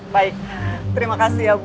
baik terima kasih ya bu